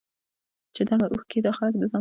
چې دغه اوښکې ئې دا خلک د ځان سره لاهو نۀ کړي